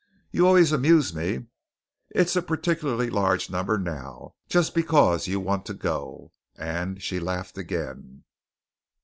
You always amuse me. It's a particularly large number now, just because you want to go," and she laughed again.